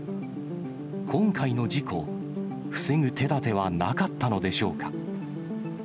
今回の事故、防ぐ手だてはなかったのでしょうか。